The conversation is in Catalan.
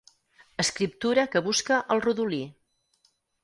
Escriptura que busca el rodolí.